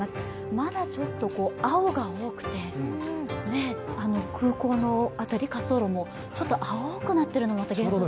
まだちょっと青が多くて、空港の辺り、滑走路もちょっと青くなっているのがまた幻想的。